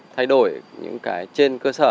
thay đổi những cái trên cơ sở